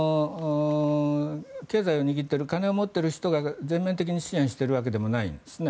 経済を握っている金を持っている人が全面的に支援しているわけでもないんですね。